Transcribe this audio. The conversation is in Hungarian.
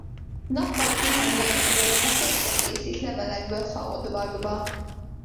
Nappali pihenője idejére fészket készít levelekből faodvakba.